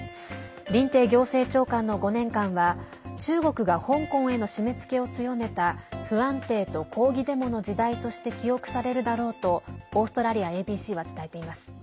林鄭行政長官の５年間は中国が香港への締めつけを強めた不安定と抗議デモの時代として記憶されるだろうとオーストラリアＡＢＣは伝えています。